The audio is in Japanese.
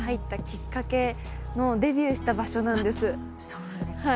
そうなんですか。